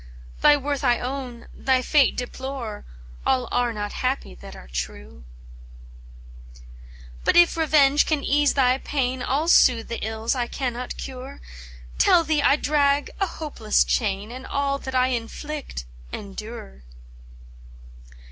Thy worth I own, thy fate deplore, All are not happy that are true." "But if revenge can ease thy pain, I'll soothe the ills I cannot cure, Tell thee I drag a hopeless chain, And all that I inflict endure!"